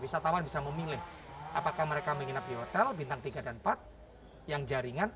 wisatawan bisa memilih apakah mereka menginap di hotel bintang tiga dan empat yang jaringan